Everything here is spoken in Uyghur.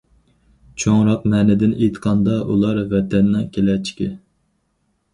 چوڭراق مەنىدىن ئېيتقاندا، ئۇلار ۋەتەننىڭ كېلەچىكى.